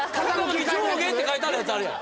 上下って書いてあるやつあるやん。